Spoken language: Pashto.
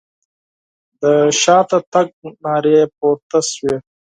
د شاته تګ نارې پورته شوې.